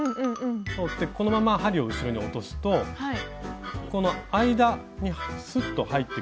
通ってこのまま針を後ろに落とすとこの間にスッと入ってくれるので流れがきれいに出るんですね。